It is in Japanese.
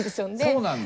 そうなんだ？